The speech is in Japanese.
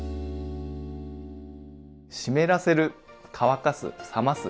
「湿らせる」「乾かす」「冷ます」